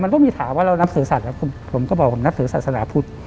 มันก็มีถามว่าเรานับถือสัตว์ผมก็บอกผมนับถือศาสนาพุทธ